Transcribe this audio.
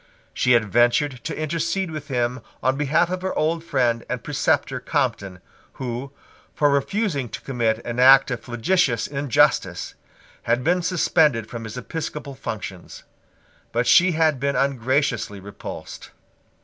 She had ventured to intercede with him on behalf of her old friend and preceptor Compton, who, for refusing to commit an act of flagitious injustice, had been suspended from his episcopal functions; but she had been ungraciously repulsed.